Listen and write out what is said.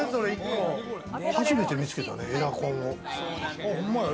初めて見つけたね、エアコンを。